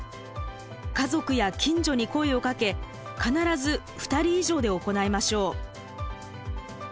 家族や近所に声をかけ必ず２人以上で行いましょう。